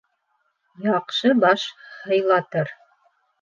Яҡшы баш һыйлатыр